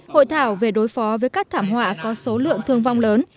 hội thảo về đối phó với các thảm họa có số lượng thương vong lớn